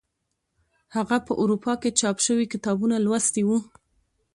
هغه په اروپا کې چاپ شوي کتابونه لوستي وو.